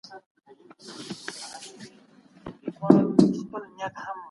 هڅه وکړئ چې د نورو علومو تر منځ توپیر وپېژنئ.